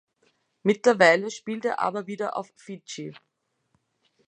Mittlerweile spielt er aber wieder auf Fidschi.